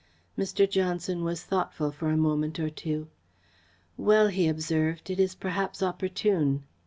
Mr. Johnson was thoughtful for a moment or two. "Well," he observed, "it is perhaps opportune."